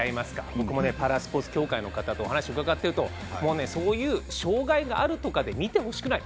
僕もパラスポーツ協会の方の話を伺っているとそういう、障がいがあるとかで見てほしくない。